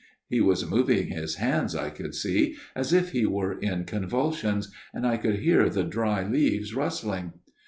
He was moving his hands' I could see, as if he were in convulsions ; and I could hear the dry leaves rustling.